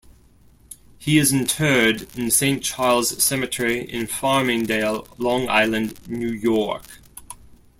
He is interred in Saint Charles Cemetery in Farmingdale, Long Island, New York.